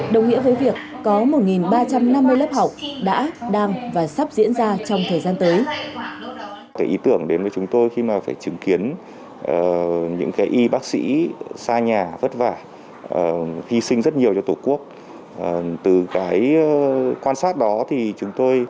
đồng nghĩa với việc có một ba trăm năm mươi lớp học đã đang và sắp diễn ra trong thời gian tới